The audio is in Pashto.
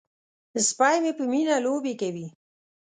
سپی مې په مینه لوبې کوي.